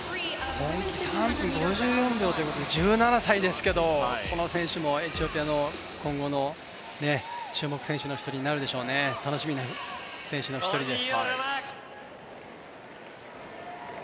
今季３分５４秒ということで、１７歳ですけどこの選手もエチオピアの今後の注目選手の１人になるでしょうね、楽しみな選手の１人です。